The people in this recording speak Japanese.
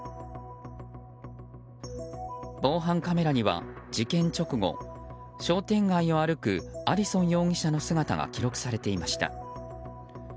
防犯カメラには事件直後、商店街を歩くアディソン容疑者の姿が記録されていました。